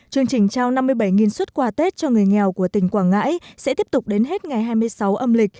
chương trình trao năm mươi bảy xuất quà tết cho người nghèo của tỉnh quảng ngãi sẽ tiếp tục đến hết ngày hai mươi sáu âm lịch